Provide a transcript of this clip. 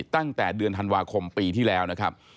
ตั้งแต่เดือนธันวาคมปีที่แล้วนะครับ